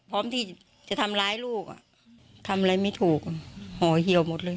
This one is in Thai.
พร้อมที่จะทำร้ายลูกอ่ะทำอะไรไม่ถูกห่อเหี่ยวหมดเลย